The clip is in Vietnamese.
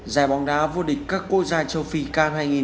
giải bóng đá vua địch các quốc gia châu phi k hai nghìn một mươi bảy